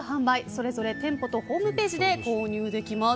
それぞれ店舗とホームページで購入できます。